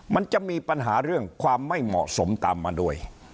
มันจะมีปัญหาเรื่องความไม่เหมาะสมตามมาด้วย